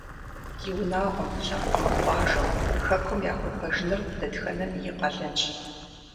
И унагъуэм, лъэпкъым, къуажэм, хэкум яхуэпэжыныр дэтхэнэми и къалэнщ.